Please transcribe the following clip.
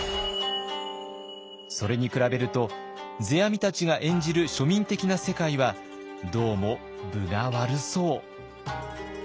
それに比べると世阿弥たちが演じる庶民的な世界はどうも分が悪そう。